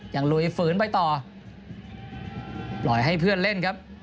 ลุยฝืนไปต่อปล่อยให้เพื่อนเล่นครับ